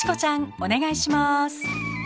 お願いします。